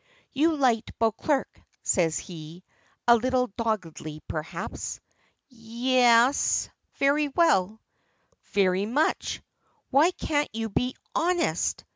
"You liked Beauclerk," says he, a little doggedly perhaps. "Ye es very well." "Very much! Why can't you be honest!"